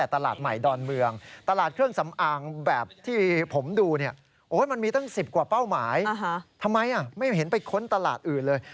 ทำไมไม่เห็นไปค้นตลาดอื่นเลย